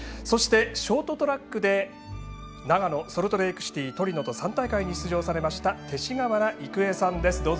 そして、ショートトラックで長野、ソルトレークシティートリノと３大会に出場されました勅使川原郁恵さんです。